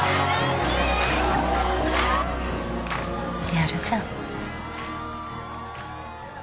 やるじゃん。